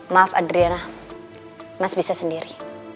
maaf adriana mas bisa sendiri